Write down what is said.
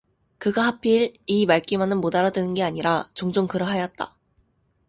그가 하필 이 말귀만을 못 알아들은 게 아니라 종종 그러하였다.